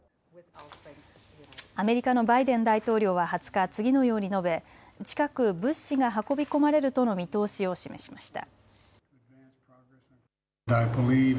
アメリカのバイデン大統領は２０日、次のように述べ近く物資が運び込まれるとの見通しを示しました。